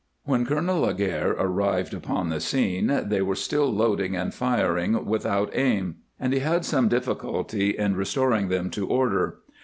] When Colonel Laguerre arrived upon the scene they were still loading and firing without aim, and he had some difficulty in restoring them to order.